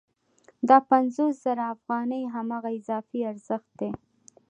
دا پنځوس زره افغانۍ هماغه اضافي ارزښت دی